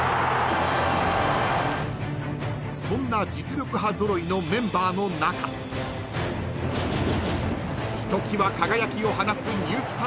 ［そんな実力派揃いのメンバーの中ひときわ輝きを放つ］